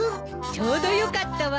ちょうどよかったわ。